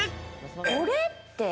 これって。